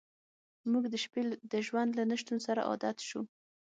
موږ د شپې د ژوند له نشتون سره عادت شو